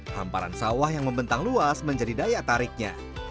hamparan sawah yang membentang luas menjadi daya tariknya